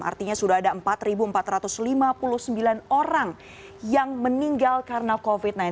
artinya sudah ada empat empat ratus lima puluh sembilan orang yang meninggal karena covid sembilan belas